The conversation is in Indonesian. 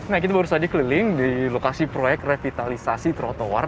nah kita baru saja keliling di lokasi proyek revitalisasi trotoar